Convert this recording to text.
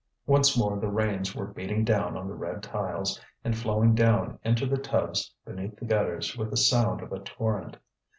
Once more the rains were beating down on the red tiles and flowing down into the tubs beneath the gutters with the sound of a torrent.